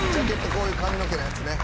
こういう髪の毛のやつね。